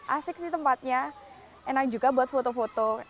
asik sih tempatnya enak juga buat foto foto